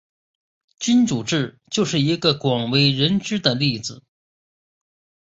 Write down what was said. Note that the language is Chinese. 君主制就是一个广为人知的例子。